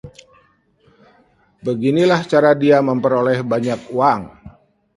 Beginilah cara dia memperoleh banyak uang.